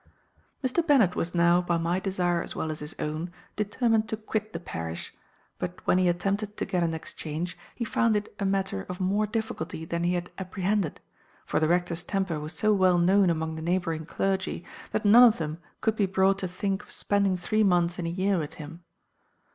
"Mr. Bennet was now, by my desire as well as his own, determined to quit the parish; but when he attempted to get an exchange, he found it a matter of more difficulty than he had apprehended; for the rector's temper was so well known among the neighbouring clergy, that none of them could be brought to think of spending three months in a year with him.